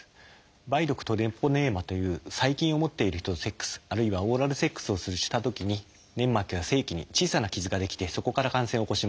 「梅毒トレポネーマ」という細菌を持っている人とセックスあるいはオーラルセックスをしたときに粘膜や性器に小さな傷が出来てそこから感染を起こします。